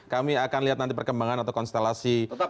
kami akan lihat nanti perkembangan atau konstelasi